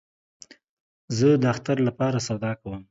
زه د اختر له پاره سودا کوم